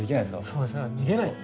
そうですよね逃げない。